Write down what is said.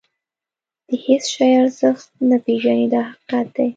د هېڅ شي ارزښت نه پېژني دا حقیقت دی.